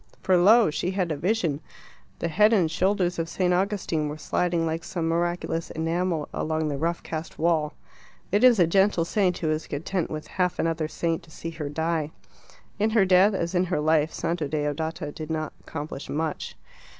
For lo! she had a vision: the head and shoulders of St. Augustine were sliding like some miraculous enamel along the rough cast wall. It is a gentle saint who is content with half another saint to see her die. In her death, as in her life, Santa Deodata did not accomplish much.